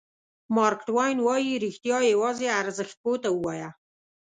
مارک ټواین وایي رښتیا یوازې ارزښت پوه ته ووایه.